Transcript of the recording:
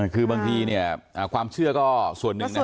คือบางทีความเชื่อก็ส่วนหนึ่งนะครับ